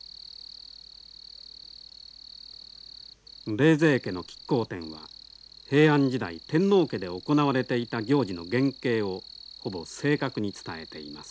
冷泉家の乞巧奠は平安時代天皇家で行われていた行事の原形をほぼ正確に伝えています。